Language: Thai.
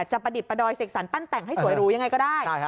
จะบรรดิประดอยศิกษรันปั้นแต่งให้สวยรู้ยังไงก็ได้